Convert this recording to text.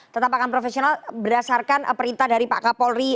tetap akan profesional berdasarkan perintah dari pak kapolri